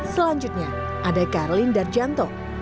selanjutnya ada karlyn darjanto